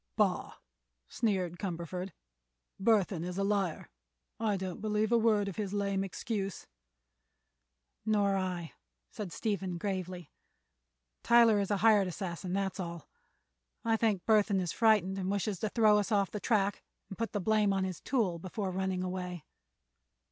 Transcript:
"Bah!" sneered Cumberford; "Burthon is a liar. I don't believe a word of his lame excuse." "Nor I," added Stephen, gravely. "Tyler is a hired assassin, that's all. I think Burthon is frightened, and wishes to throw us off the track and put the blame on his tool, before running away."